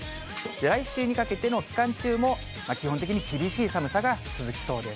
来週にかけての期間中も、基本的に厳しい寒さが続きそうです。